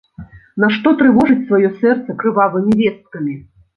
Нашто трывожыць сваё сэрца крывавымі весткамі.